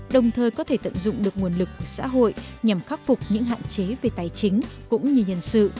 đồng thời có thể tận dụng được nguồn lực của xã hội nhằm khắc phục những hạn chế về tài chính cũng như nhân sự